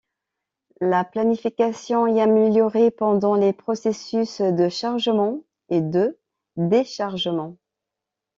La planification est améliorée pendant les processus de chargement et de déchargement.